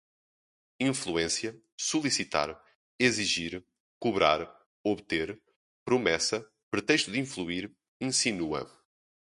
influência, solicitar, exigir, cobrar, obter, promessa, pretexto de influir, insinua